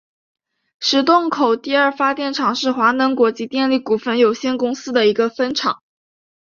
石洞口第二发电厂是华能国际电力股份有限公司的一个分厂。